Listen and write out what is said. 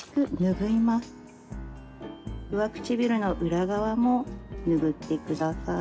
上唇の裏側も拭ってください。